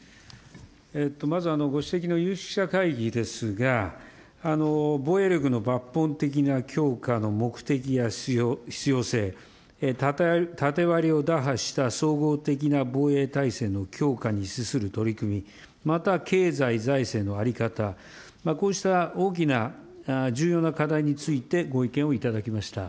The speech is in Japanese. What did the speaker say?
まずご指摘の有識者会議ですが、防衛力の抜本的な強化の目的や必要性、縦割りを打破した総合的な防衛体制の強化に資する取り組み、また、経済、財政の在り方、こうした大きな重要な課題についてご意見を頂きました。